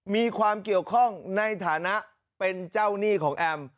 มีความเกี่ยวข้องในฐานะเป็นเจ้าหนี้ของแอม